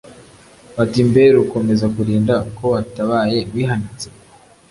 Bati: Mbe Rukomezakulinda ko watabaye wihanitse?